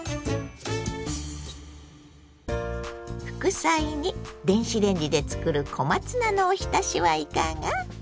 副菜に電子レンジで作る小松菜のおひたしはいかが。